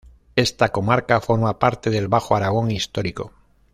Esta comarca forma parte del Bajo Aragón Histórico.